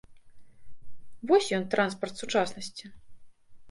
Вось ён транспарант сучаснасці.